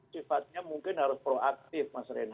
sifatnya mungkin harus proaktif